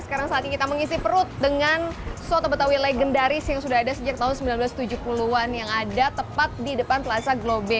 sekarang saat kita mengisi perut dengan soto betawi legendaris yang sudah ada sejak tahun seribu sembilan ratus tujuh puluh an yang